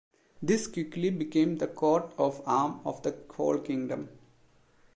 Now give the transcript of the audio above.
This quickly became the coat of arm of the whole kingdom.